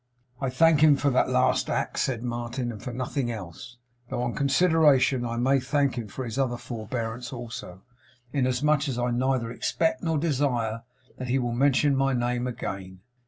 'I thank him for that last act,' said Martin, 'and for nothing else. Though on consideration I may thank him for his other forbearance also, inasmuch as I neither expect nor desire that he will mention my name again.